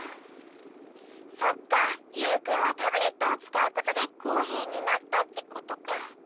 そっかユウくんはタブレットをつかうことでこうへいになったってことか。